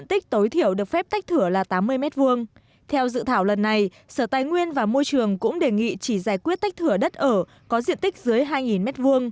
theo dự thảo lần này sở tài nguyên và môi trường cũng đề nghị chỉ giải quyết tách thửa đất ở có diện tích dưới hai m hai